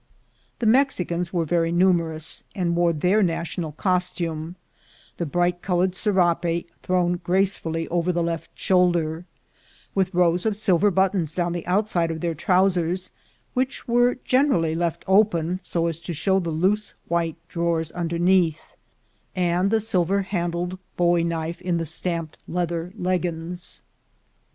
I The Mexicans were very numerous, and wore their nktional costume — the bright colored serape thrown gracefully over the left shoulder, with rows of silver buttons down the outside of their trousers, which were generally left open, so as to show the loose white drawers underneath, and the silver handled bowie knife in the stamped leather leggins.